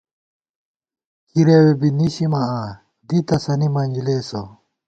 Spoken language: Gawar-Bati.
کِرَوے بی نِشِمہ آں ، دی تسَنی منجلېسہ